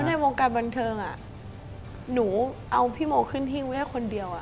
แล้วในวงการบันเทิงหนูเอาพี่โมขึ้นที่ไว้คนเดียว